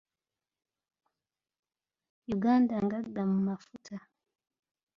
Uganda ngagga mu mafuta.